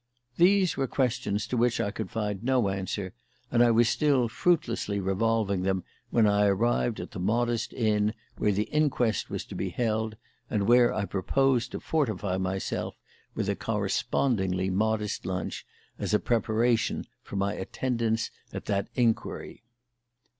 These were questions to which I could find no answer, and I was still fruitlessly revolving them when I arrived at the modest inn where the inquest was to be held, and where I proposed to fortify myself with a correspondingly modest lunch as a preparation for my attendance at that inquiry.